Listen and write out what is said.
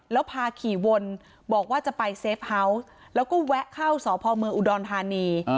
แล้วพาขี่วนบอกว่าจะไปเซฟเฮาวส์แล้วก็แวะเข้าสพเมืองอุดรธานี